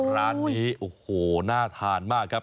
ร้านนี้โอ้โหน่าทานมากครับ